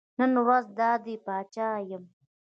نن ورځ دا دی پاچا یم.